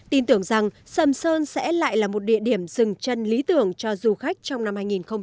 tin tưởng rằng sầm sơn sẽ lại là một địa điểm dừng chân lý tưởng cho du khách trong năm hai nghìn hai mươi